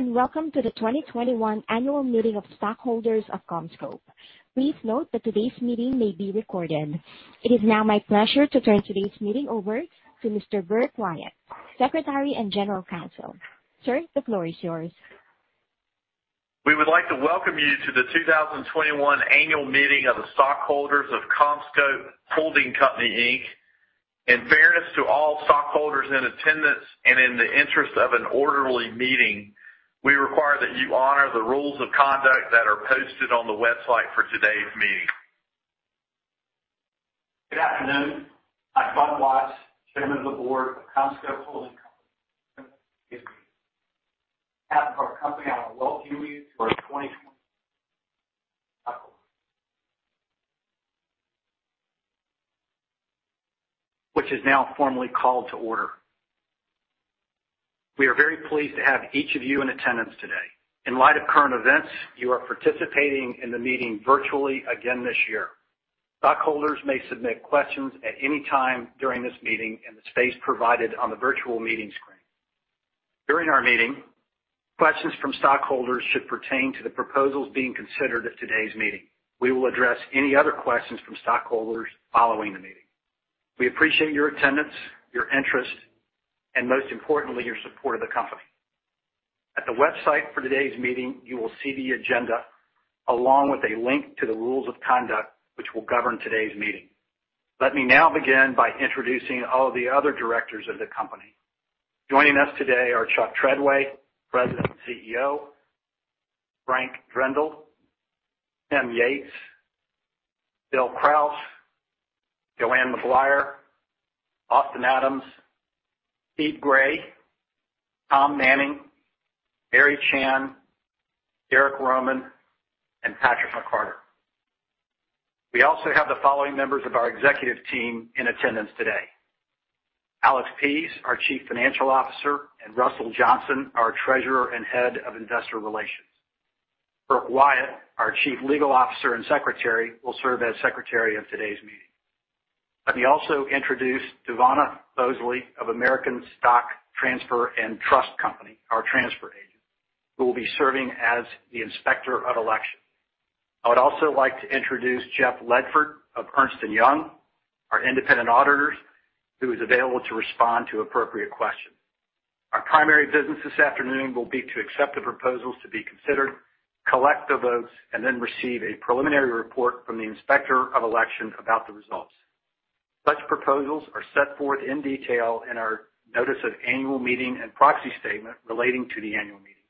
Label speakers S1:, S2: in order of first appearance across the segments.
S1: Hello, and welcome to the 2021 annual meeting of stockholders of CommScope. Please note that today's meeting may be recorded. It is now my pleasure to turn today's meeting over to Mr. Burk Wyatt, Secretary and General Counsel. Sir, the floor is yours.
S2: We would like to welcome you to the 2021 annual meeting of the stockholders of CommScope Holding Company, Inc. In fairness to all stockholders in attendance and in the interest of an orderly meeting, we require that you honor the rules of conduct that are posted on the website for today's meeting.
S3: Good afternoon. I'm Bud Watts, Chairman of the Board of CommScope Holding Company. On behalf of our company, I welcome you to our 2021 which is now formally called to order. We are very pleased to have each of you in attendance today. In light of current events, you are participating in the meeting virtually again this year. Stockholders may submit questions at any time during this meeting in the space provided on the virtual meeting screen. During our meeting, questions from stockholders should pertain to the proposals being considered at today's meeting. We will address any other questions from stockholders following the meeting. We appreciate your attendance, your interest, and most importantly, your support of the company. At the website for today's meeting, you will see the agenda along with a link to the rules of conduct, which will govern today's meeting. Let me now begin by introducing all the other directors of the company. Joining us today are Chuck Treadway, President and CEO, Frank Drendel, Tim Yates, Bill Krause, Joann Maguire, Austin Adams, Steve Gray, Tom Manning, Mary Chan, Derrick Roman, and Patrick McCarter. We also have the following members of our executive team in attendance today. Alex Pease, our Chief Financial Officer, and Russell Johnson, our Treasurer and Head of Investor Relations. Burk Wyatt, our Chief Legal Officer and Secretary, will serve as Secretary of today's meeting. Let me also introduce Devonna Bosley of American Stock Transfer & Trust Company, our transfer agent, who will be serving as the Inspector of Election. I would also like to introduce Jeff Ledford of Ernst & Young, our independent auditors, who is available to respond to appropriate questions. Our primary business this afternoon will be to accept the proposals to be considered, collect the votes, and then receive a preliminary report from the Inspector of Election about the results. Such proposals are set forth in detail in our notice of annual meeting and proxy statement relating to the annual meeting,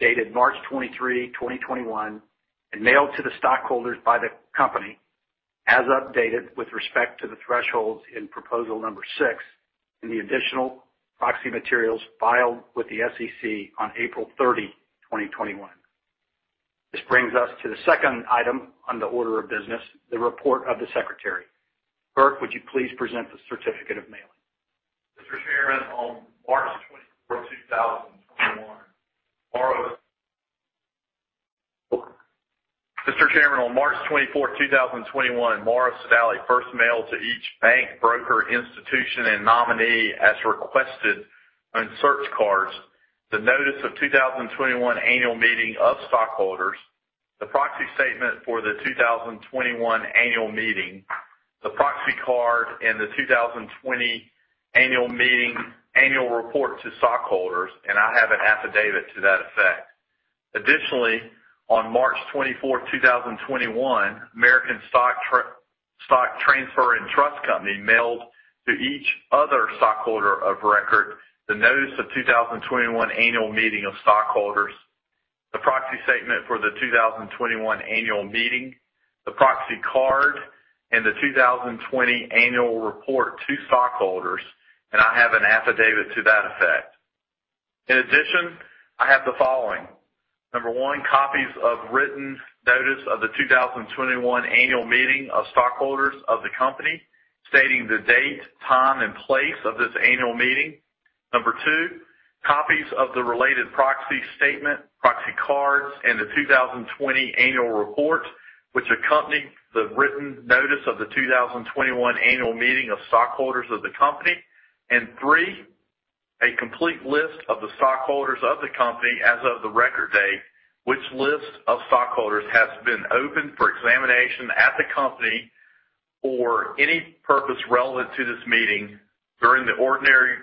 S3: dated March 23, 2021, and mailed to the stockholders by the company as updated with respect to the thresholds in proposal number six in the additional proxy materials filed with the SEC on April 30, 2021. This brings us to the second item on the order of business, the report of the Secretary. Burk, would you please present the certificate of mailing?
S2: Mr. Chairman, on March 24, 2021, Morrow Sodali first mailed to each bank, broker, institution, and nominee as requested on search cards, the notice of 2021 annual meeting of stockholders, the proxy statement for the 2021 annual meeting, the proxy card, and the 2020 annual meeting annual report to stockholders. I have an affidavit to that effect. Additionally, on March 24, 2021, American Stock Transfer & Trust Company mailed to each other stockholder of record the notice of 2021 annual meeting of stockholders, the proxy statement for the 2021 annual meeting, the proxy card, and the 2020 annual report to stockholders. I have an affidavit to that effect. In addition, I have the following. Number one, copies of written notice of the 2021 annual meeting of stockholders of the company, stating the date, time, and place of this annual meeting. Number two, copies of the related proxy statement, proxy cards, and the 2020 annual report, which accompany the written notice of the 2021 annual meeting of stockholders of the company. Three, a complete list of the stockholders of the company as of the record date, which list of stockholders has been open for examination at the company for any purpose relevant to this meeting during the ordinary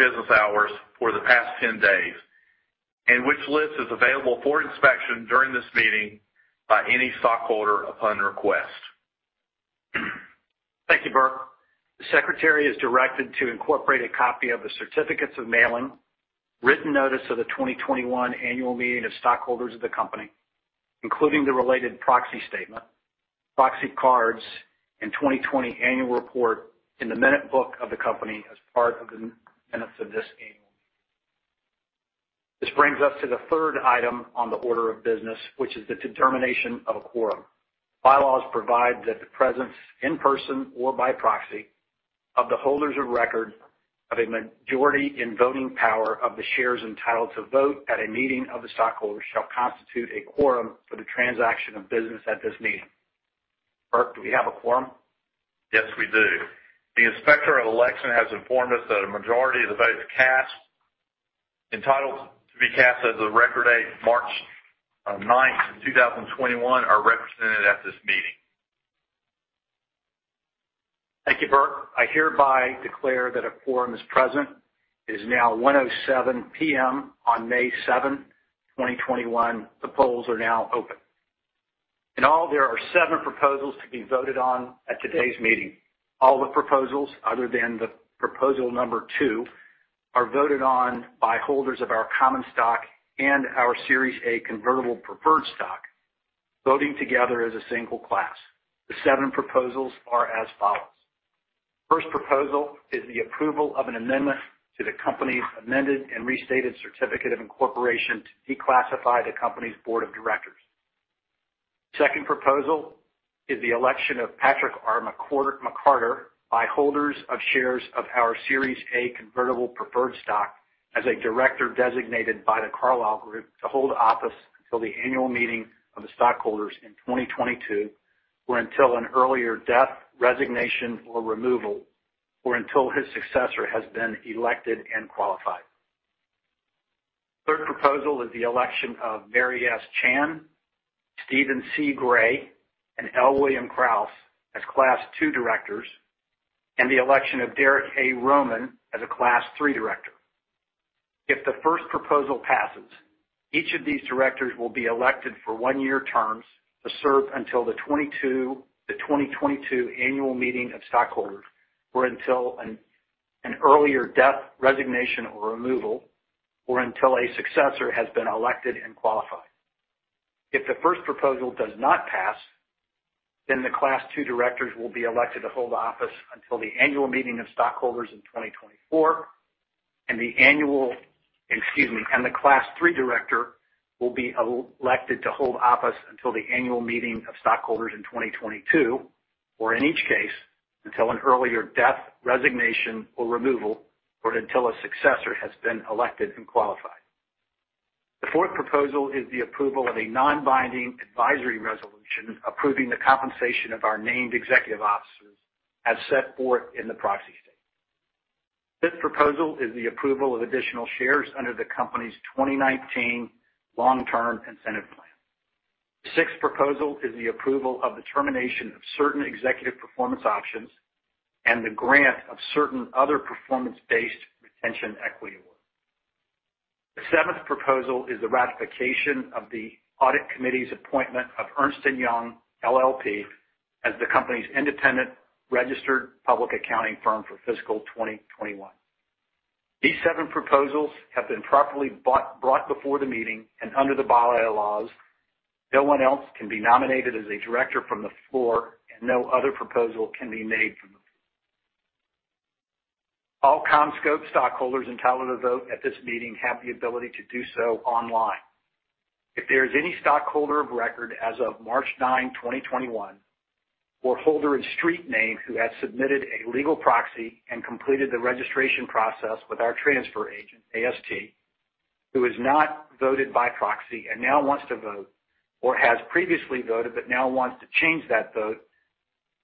S2: business hours for the past 10 days, and which list is available for inspection during this meeting by any stockholder upon request.
S3: Thank you, Burke. The Secretary is directed to incorporate a copy of the certificates of mailing, written notice of the 2021 annual meeting of stockholders of the company, including the related proxy statement, proxy cards, and 2020 annual report in the minute book of the company as part of the minutes of this annual meeting. This brings us to the third item on the order of business, which is the determination of a quorum. Bylaws provide that the presence in person or by proxy of the holders of record of a majority in voting power of the shares entitled to vote at a meeting of the stockholders shall constitute a quorum for the transaction of business at this meeting. Burke, do we have a quorum?
S2: Yes, we do. The Inspector of Election has informed us that a majority of the votes cast, entitled to be cast as of the record date March 9th, 2021, are represented at this meeting.
S3: Thank you, Burk. I hereby declare that a quorum is present. It is now 1:07 PM on May 7, 2021. The polls are now open. In all, there are seven proposals to be voted on at today's meeting. All the proposals, other than the proposal number two, are voted on by holders of our common stock and our Series A convertible preferred stock, voting together as a single class. The seven proposals are as follows. First proposal is the approval of an amendment to the company's amended and restated certificate of incorporation to declassify the company's board of directors. Second proposal is the election of Patrick R. McCarter by holders of shares of our Series A convertible preferred stock as a director designated by The Carlyle Group to hold office until the annual meeting of the stockholders in 2022 or until an earlier death, resignation, or removal, or until his successor has been elected and qualified. Third proposal is the election of Mary S. Chan, Steven C. Gray, and L. William Krause as Class II directors and the election of Derrick A. Roman as a Class III director. If the first proposal passes, each of these directors will be elected for one-year terms to serve until the 2022 annual meeting of stockholders or until an earlier death, resignation, or removal, or until a successor has been elected and qualified. If the first proposal does not pass, the Class II directors will be elected to hold office until the annual meeting of stockholders in 2024, the annual. The Class III director will be elected to hold office until the annual meeting of stockholders in 2022 or in each case, until an earlier death, resignation, or removal, or until a successor has been elected and qualified. The fourth proposal is the approval of a non-binding advisory resolution approving the compensation of our named executive officers as set forth in the proxy statement. Fifth proposal is the approval of additional shares under the company's 2019 Long-Term Incentive Plan. The sixth proposal is the approval of the termination of certain executive performance options and the grant of certain other performance-based retention equity awards. The seventh proposal is the ratification of the Audit Committee's appointment of Ernst & Young LLP as the company's independent registered public accounting firm for fiscal 2021. These seven proposals have been properly brought before the meeting, under the bylaws, no one else can be nominated as a director from the floor, and no other proposal can be made from the floor. All CommScope stockholders entitled to vote at this meeting have the ability to do so online. If there is any stockholder of record as of March 9, 2021, or holder in street name who has submitted a legal proxy and completed the registration process with our transfer agent, AST, who has not voted by proxy and now wants to vote, or has previously voted but now wants to change that vote,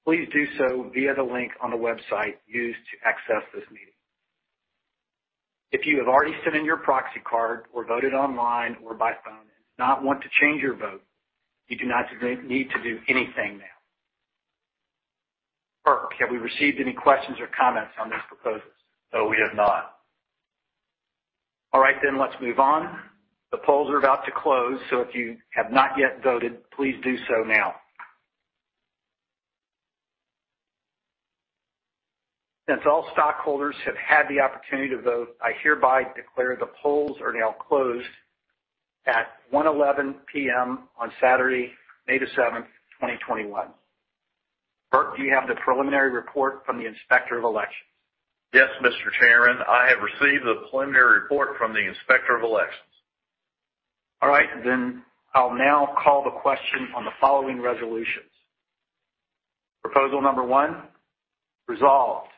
S3: please do so via the link on the website used to access this meeting. If you have already sent in your proxy card or voted online or by phone and do not want to change your vote, you do not need to do anything now. Burk, have we received any questions or comments on these proposals?
S2: No, we have not.
S3: All right. Let's move on. The polls are about to close, if you have not yet voted, please do so now. Since all stockholders have had the opportunity to vote, I hereby declare the polls are now closed at 1:11 P.M. on Saturday, May the seventh, 2021. Burk, do you have the preliminary report from the Inspector of Elections?
S2: Yes, Mr. Chairman, I have received the preliminary report from the Inspector of Elections.
S3: All right, I'll now call the question on the following resolutions. Proposal number 1, resolved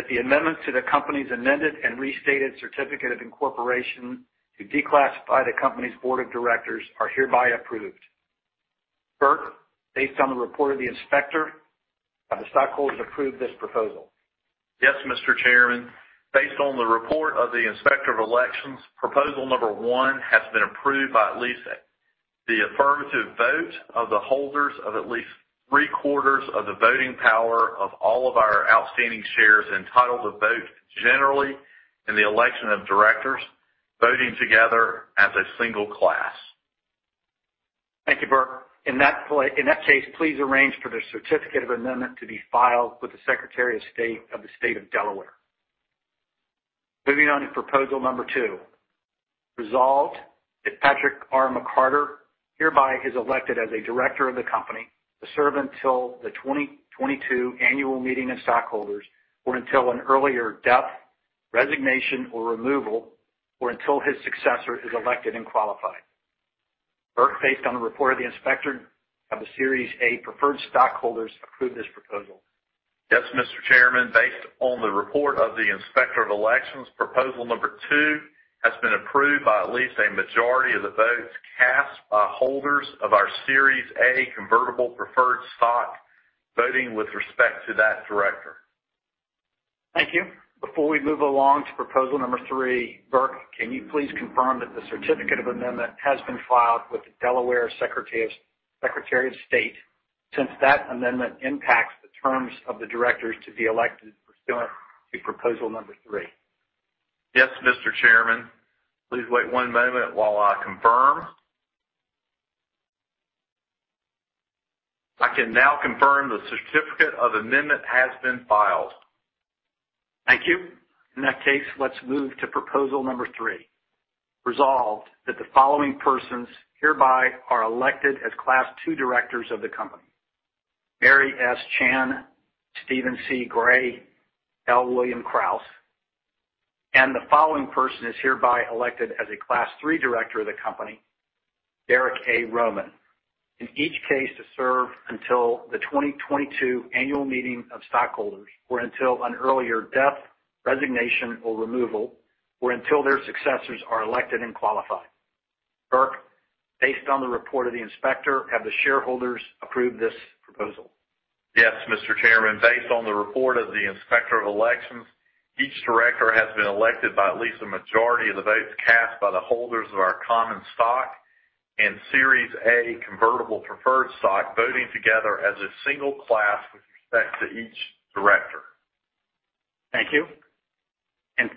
S3: that the amendments to the company's amended and restated certificate of incorporation to declassify the company's board of directors are hereby approved. Burke, based on the report of the inspector, have the stockholders approved this proposal?
S2: Yes, Mr. Chairman. Based on the report of the Inspector of Elections, proposal number 1 has been approved by at least the affirmative vote of the holders of at least three-quarters of the voting power of all of our outstanding shares entitled to vote generally in the election of directors, voting together as a single class.
S3: Thank you, Burke. In that case, please arrange for the certificate of amendment to be filed with the Secretary of State of the State of Delaware. Moving on to proposal number 2. Resolved that Patrick R. McCarter hereby is elected as a director of the company to serve until the 2022 annual meeting of stockholders or until an earlier death, resignation, or removal, or until his successor is elected and qualified. Burke, based on the report of the inspector, have the Series A preferred stockholders approved this proposal?
S2: Yes, Mr. Chairman. Based on the report of the Inspector of Elections, proposal number two has been approved by at least a majority of the votes cast by holders of our Series A convertible preferred stock, voting with respect to that director.
S3: Thank you. Before we move along to proposal number three, Burk, can you please confirm that the certificate of amendment has been filed with the Delaware Secretary of State since that amendment impacts the terms of the directors to be elected pursuant to proposal number three?
S2: Yes, Mr. Chairman. Please wait one moment while I confirm. I can now confirm the certificate of amendment has been filed.
S3: Thank you. In that case, let's move to proposal number three. Resolved, that the following persons hereby are elected as Class II directors of the company. Mary S. Chan, Steven C. Gray, L. William Krause, and the following person is hereby elected as a Class III director of the company, Derrick A. Roman. In each case to serve until the 2022 Annual Meeting of Stockholders or until an earlier death, resignation, or removal, or until their successors are elected and qualified. Burk, based on the report of the Inspector, have the shareholders approved this proposal?
S2: Yes, Mr. Chairman. Based on the report of the Inspector of Elections, each director has been elected by at least a majority of the votes cast by the holders of our common stock and Series A convertible preferred stock, voting together as a single class with respect to each director.
S3: Thank you.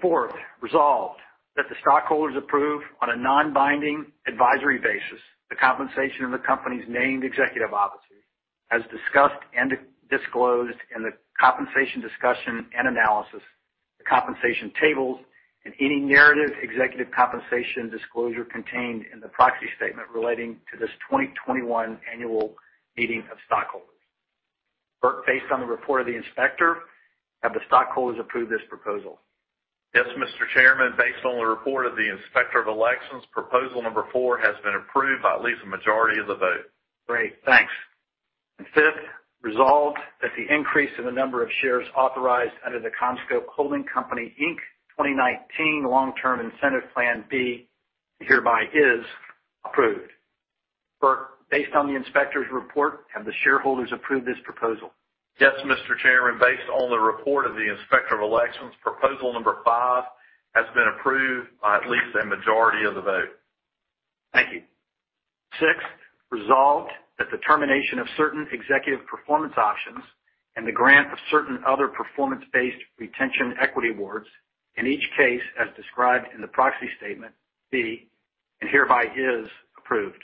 S3: Fourth, resolved, that the stockholders approve on a non-binding advisory basis the compensation of the company's named executive officers as discussed and disclosed in the compensation discussion and analysis, the compensation tables, and any narrative executive compensation disclosure contained in the proxy statement relating to this 2021 annual meeting of stockholders. Burk, based on the report of the inspector, have the stockholders approved this proposal?
S2: Yes, Mr. Chairman. Based on the report of the Inspector of Elections, proposal number four has been approved by at least a majority of the vote.
S3: Great, thanks. Fifth, resolved that the increase in the number of shares authorized under the CommScope Holding Company, Inc. 2019 Long-Term Incentive Plan be hereby is approved. Burk, based on the inspector's report, have the shareholders approved this proposal?
S2: Yes, Mr. Chairman. Based on the report of the Inspector of Elections, proposal number five has been approved by at least a majority of the vote.
S3: Thank you. Sixth, resolved that the termination of certain executive performance options and the grant of certain other performance-based retention equity awards, in each case as described in the proxy statement be, and hereby is approved.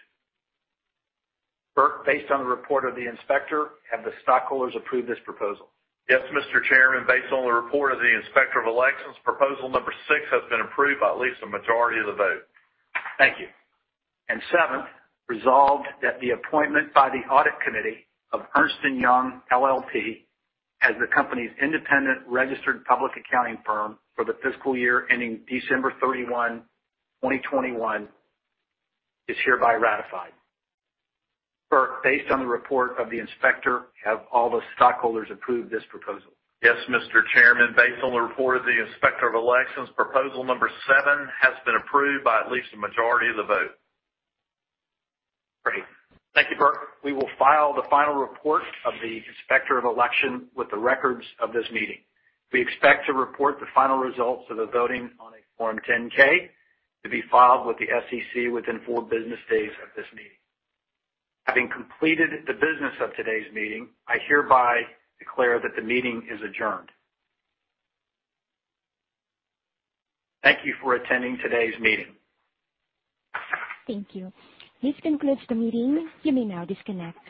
S3: Burk, based on the report of the inspector, have the stockholders approved this proposal?
S2: Yes, Mr. Chairman. Based on the report of the Inspector of Elections, proposal number 6 has been approved by at least a majority of the vote.
S3: Thank you. Seventh, resolved that the appointment by the Audit Committee of Ernst & Young LLP as the company's independent registered public accounting firm for the fiscal year ending December 31, 2021, is hereby ratified. Burk, based on the report of the inspector, have all the stockholders approved this proposal?
S2: Yes, Mr. Chairman. Based on the report of the Inspector of Elections, proposal number seven has been approved by at least a majority of the vote.
S3: Great. Thank you, Burk. We will file the final report of the Inspector of Elections with the records of this meeting. We expect to report the final results of the voting on a Form 8-K to be filed with the SEC within four business days of this meeting. Having completed the business of today's meeting, I hereby declare that the meeting is adjourned. Thank you for attending today's meeting.
S1: Thank you. This concludes the meeting. You may now disconnect.